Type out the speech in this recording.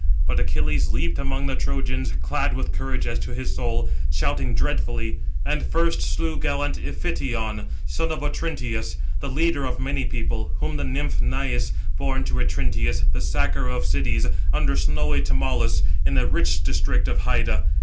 But Achilles leaped among the Trojans, clad with courage as to his soul, shouting dreadfully; and first slew gallant Iphition, son of Otrynteus, the leader of many people, whom the nymph Naïs bore to Otrynteus, the sacker of cities, under snowy Tmolus, in the rich district of Hyda.